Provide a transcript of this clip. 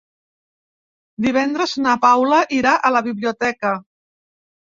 Divendres na Paula irà a la biblioteca.